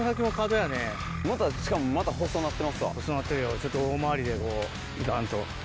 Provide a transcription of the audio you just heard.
ちょっと大回りでこう行かんと。